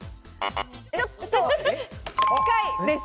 ちょっと近いです。